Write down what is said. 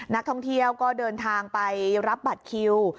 นักท่องเที่ยวก็เดินทางไปรับบัตรคิว